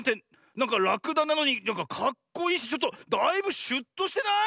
なんからくだなのになんかかっこいいしちょっとだいぶシュッとしてない？